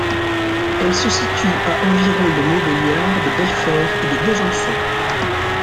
Elle se situe à environ de Montbéliard, de Belfort et de Besançon.